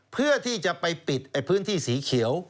เพื่อที่จะไปปิดพื้นที่สีเขียว